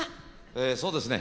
ええそうですね